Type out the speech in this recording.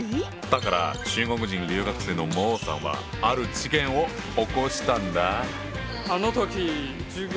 だから中国人留学生の孟さんはある事件を起こしたんだ。